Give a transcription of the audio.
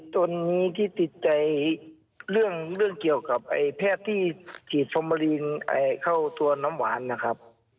ตอนนี้ที่ติดใจเรื่องเกี่ยวกับแพทย์ที่ฉีดฟอร์มาลีนเข้าตัวน้ำหวานนะครับ